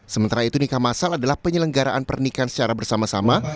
sementara itu nikah masal adalah penyelenggaraan pernikahan secara bersama sama